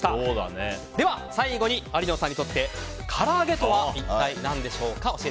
最後に有野さんにとってから揚げとは一体何でしょうか。